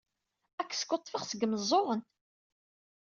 Ad k-skuḍḍfeɣ seg yimeẓẓuɣen!